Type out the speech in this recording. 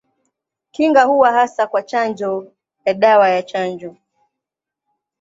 Kinga huwa hasa kwa chanjo ya dawa ya chanjo.